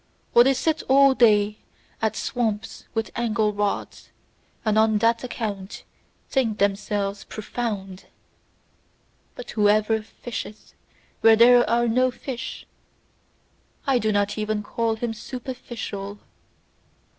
Or they sit all day at swamps with angle rods, and on that account think themselves PROFOUND; but whoever fisheth where there are no fish, I do not even call him superficial!